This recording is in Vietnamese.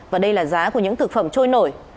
và đây là giá của những thực phẩm trôi nổi